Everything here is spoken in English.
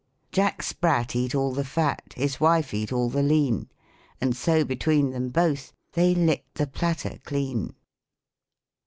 " Jack Spratt cat all the fat, His wife eat all the lean, PROSODY. 125 And so between them both, They lick'd the platter clean."'